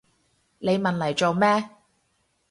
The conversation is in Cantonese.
你問嚟做咩？